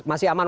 masih ada yang